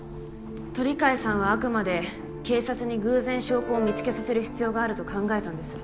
鳥飼さんはあくまで警察に偶然証拠を見つけさせる必要があると考えたんです。